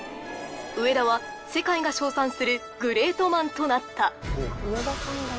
上田は世界が称賛するグレートマンとなったみんな